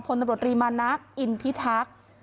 พลตำรวจรีมานะอินพิทักษ์